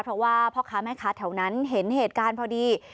เพราะว่าพ่อค้าแม่ค้าแถวนั้นเห็นเหตุการณ์พอดี